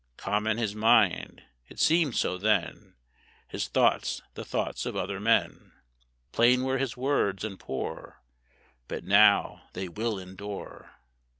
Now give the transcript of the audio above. Common his mind (it seemed so then), His thoughts the thoughts of other men: Plain were his words, and poor, But now they will endure!